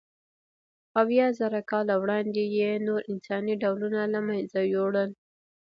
اویازره کاله وړاندې یې نور انساني ډولونه له منځه یووړل.